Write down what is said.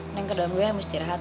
neng kedua minggu ya mesti rehat